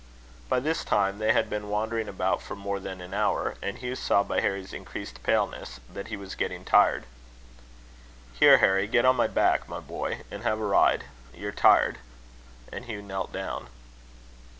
By this time they had been wandering about for more than an hour; and Hugh saw, by Harry's increased paleness, that he was getting tired. "Here, Harry, get on my back, my boy, and have a ride. You're tired." And Hugh knelt down.